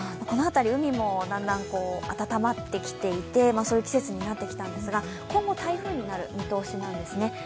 この辺り海もだんだん暖まってきて、そういう季節になってきたんですが、今後台風になる見通しなんですね。